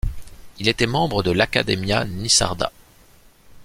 Il était membre de l'Academia nissarda.